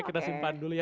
kita simpan dulu ya